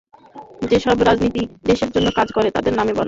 যেসব রাজনীতিবিদ দেশের জন্য কাজ করেন, তাঁদের নামে বদনাম ছড়ানো হচ্ছে।